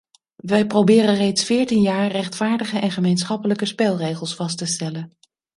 Wij proberen reeds veertien jaar rechtvaardige en gemeenschappelijke spelregels vast te stellen.